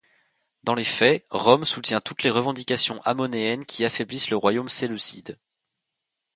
Dans les faits, Rome soutient toutes les revendications hasmonéennes qui affaiblissent le royaume séleucide.